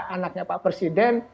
anaknya pak presiden